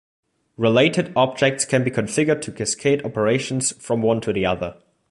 Related objects can be configured to "cascade" operations from one to the other.